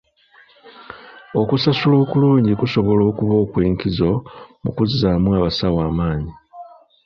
Okusasula okulungi kusobola okuba okw'enkizo mu kuzzaamu abasawo amaanyi .